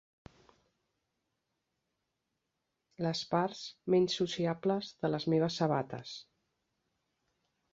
Les parts menys sociables de les meves sabates.